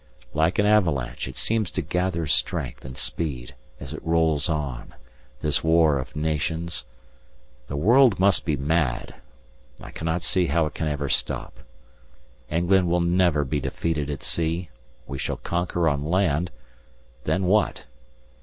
Like an avalanche, it seems to gather strength and speed as it rolls on, this War of Nations. The world must be mad! I cannot see how it can ever stop. England will never be defeated at sea. We shall conquer on land then what?